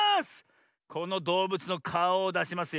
このどうぶつのかおをだしますよ。